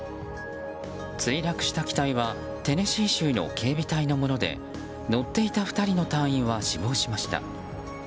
墜落した機体はテネシー州の警備隊のもので乗っていた２人の隊員は死亡しました。